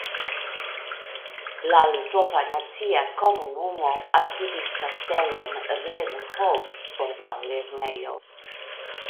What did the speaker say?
La Litova Nacia Komunumo akiris Kastelon Rennhof por la lernejo.